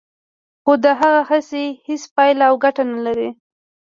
خو د هغه هڅې هیڅ پایله او ګټه نه لري